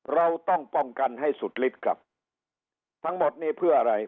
เราต้องป้องกันให้สุดฤทธิ์ครับทั้งหมดนี้เพื่ออะไร